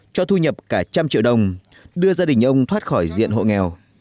cho thu nhập cả trăm triệu đồng đưa gia đình ông thoát khỏi diện hộ nghèo